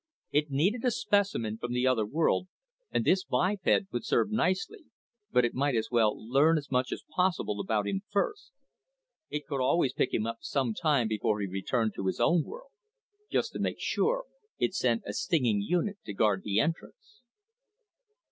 It needed a specimen from the other world, and this biped would serve nicely, but it might as well learn as much as possible about him first. It could always pick him up some time before he returned to his own world. Just to make sure, it sent a stinging unit to guard the entrance.